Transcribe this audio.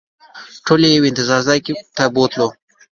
ټول یې یو انتظار ځای ته بوتلو.